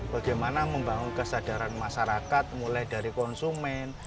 bagaimana membangun kesadaran masyarakat mulai dari konsumen